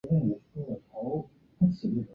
义兄为战前日本财阀三井物产创始人之一。